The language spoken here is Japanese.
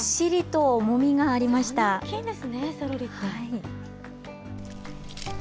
大きいんですね、セロリって。